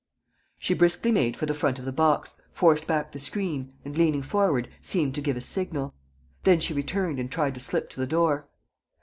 She briskly made for the front of the box, forced back the screen and, leaning forward, seemed to give a signal. Then she returned and tried to slip to the door.